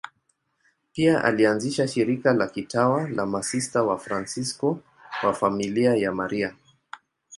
Pia alianzisha shirika la kitawa la Masista Wafransisko wa Familia ya Maria.